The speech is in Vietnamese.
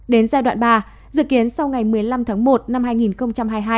đến giai đoạn ba dự kiến sau ngày một mươi năm tháng một năm hai nghìn hai mươi hai